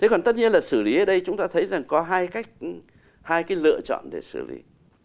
thế còn tất nhiên là xử lý ở đây chúng ta thấy rằng có hai cái lựa chọn để xử lý